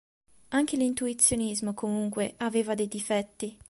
Anche l'Intuizionismo, comunque, aveva dei difetti.